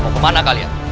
mau kemana kalian